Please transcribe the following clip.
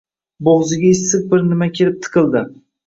Bo`g`ziga issiq bir nima kelib tiqildi